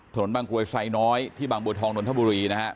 ถนนบางกรวยไฟน้อยที่บางบวชทองดนทบุรี